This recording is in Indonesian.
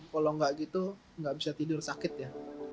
kalau tidak gitu tidak bisa tidur sakit ya